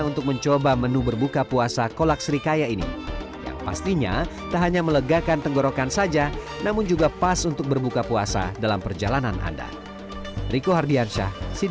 yang membedakan kolak serikaya dengan kolak yang ada di indonesia adalah menggunakan telur sebagai tambahan dalam kuahnya